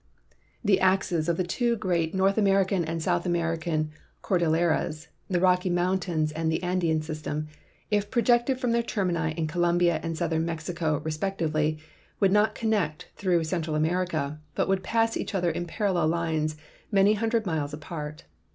The axes of the two great North American and South American cordilleras, the Rocky mountains and the Andean sy.stem, if projected from their termini in Colombia and southern Mexico, respectively, would not connect through Central America, but would pa.ss each other in parallel lines many hundred miles apart.